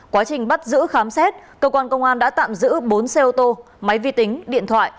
quá trình bắt giữ khám xét cơ quan công an đã tạm giữ bốn xe ô tô máy vi tính điện thoại